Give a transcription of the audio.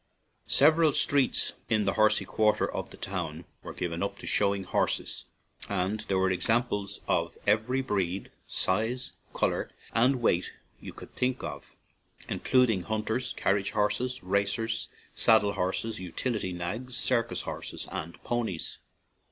Several streets in the horsy quarter of the town were given up to showing the horses, and there were examples of every breed, size, color, and weight you can think of, including hunters, carriage horses, racers, saddle horses, utility nags, circus horses, and ponies.